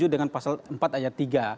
dengan pasal empat ayat tiga